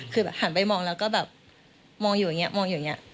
คือแบบหันไปมองแล้วก็แบบมองอยู่อย่างนี้มองอยู่อย่างนี้